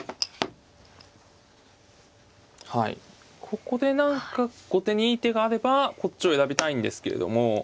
ここで何か後手にいい手があればこっちを選びたいんですけれども。